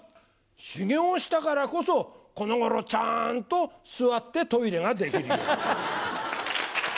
修行したからこそ、このごろちゃんと座ってトイレができるよ